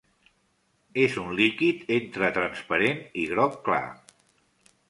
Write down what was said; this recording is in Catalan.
És un líquid entre transparent i groc clar.